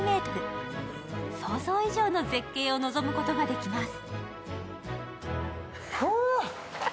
想像以上の絶景を望むことができます。